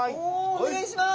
お願いします。